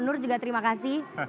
nur juga terima kasih